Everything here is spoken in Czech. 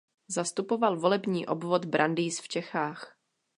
Zastupoval volební obvod Brandýs v Čechách.